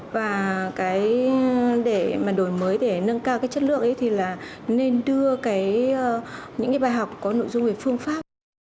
và cái để mà đổi mới để nâng cao cái chất lượng ấy thì là nên đưa cái những cái bài học có nội dung về phương pháp